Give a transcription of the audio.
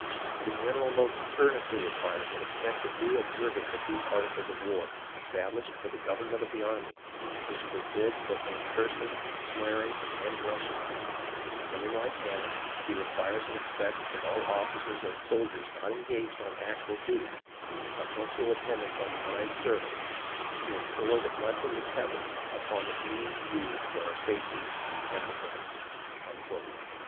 The general most earnestly requires and expects a due observance of these articles of war, established for the government of the army, which forbid profane cursing, swearing, and drunk enness ; and in like manner, he requires and expects of all officers and soldiers not engaged on actual duty, a punctual attendance on divine service, to implore the blessings of Heaven upon the means used for our safety and defence."